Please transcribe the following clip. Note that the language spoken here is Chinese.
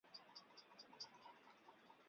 西丘二丁目曾是美军管理的。